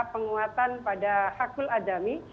penguatan pada hakul adami